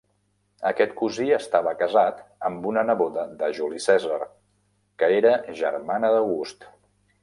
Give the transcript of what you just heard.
Aquest cosí estava casat amb una neboda de Juli Cèsar, que era germana d'August.